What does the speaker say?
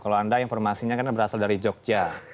kalau anda informasinya kan berasal dari jogja